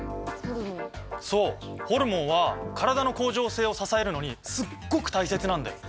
そうホルモンは体の恒常性を支えるのにすっごく大切なんだよ。